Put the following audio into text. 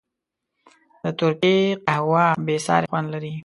د ترکي قهوه بېساری خوند لري.